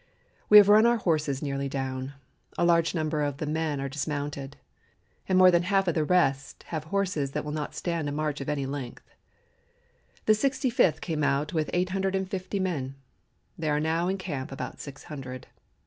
We have run our horses nearly down, a large number of the men are dismounted, and more than half of the rest have horses that will not stand a march of any length. The Sixty fifth came out with eight hundred and fifty men; there are now in camp about six hundred.